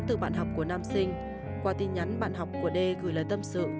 từ bạn học của nam sinh qua tin nhắn bạn học của d gửi lời tâm sự